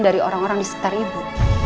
dari orang orang di sekitar ibu